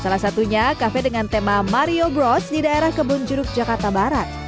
salah satunya kafe dengan tema mario broach di daerah kebun jeruk jakarta barat